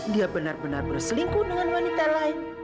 dia benar benar berselingkuh dengan wanita lain